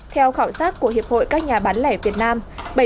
theo khảo sát của hiệp hội các nhà bán lẻ việt nam